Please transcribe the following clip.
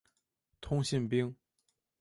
通信兵。